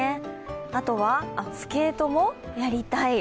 あとはスケートもやりたい。